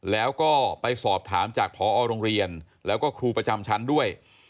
แล้วก็ไปสอบถามจากพอโรงเรียนแล้วก็ครูประจำชั้นด้วย